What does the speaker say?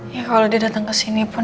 ya kalau dia datang kesini pun